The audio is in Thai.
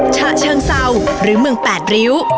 ชะเชิงเซาหรือเมืองแปดริ้ว